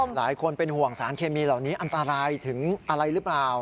หลายคนเป็นห่วงสารเคมีเหล่านี้อันตรายถึงอะไรหรือเปล่า